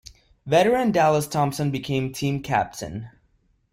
Veteran Dallas Thompson became team Captain.